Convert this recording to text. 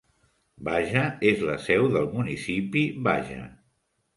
Baja és la seu del municipi Baja.